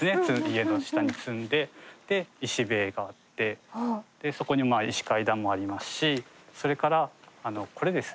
家の下に積んで石塀があってそこに石階段もありますしそれからこれですね